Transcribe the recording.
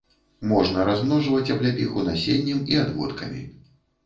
Можна размножваць абляпіху насеннем і адводкамі.